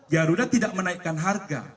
garuda tidak menaikkan harga